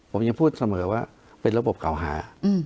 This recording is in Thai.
ผมยังพูดเสมอว่าเป็นระบบเก่าหา